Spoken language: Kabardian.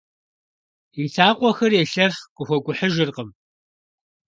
И лъакъуэхэр елъэф, къыхуэкӏухьыжыркъым.